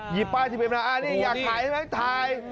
หยิบป้ายทีมเบียบน้ำอ่านี่อยากถ่ายได้ไหมถ่าย